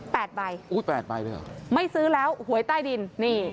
ใบอุ้ยแปดใบเลยเหรอไม่ซื้อแล้วหวยใต้ดินนี่